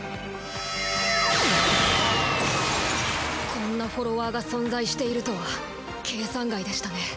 こんなフォロワーが存在しているとは計算外でしたね。